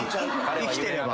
生きてれば。